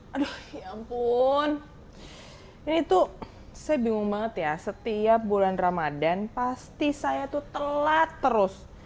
aduh ya ampun ini tuh saya bingung banget ya setiap bulan ramadan pasti saya tuh telat terus